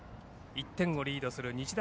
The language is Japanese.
１点をリードする日大